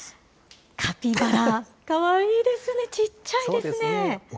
カピバラ、かわいいですね、ちっちゃいですね。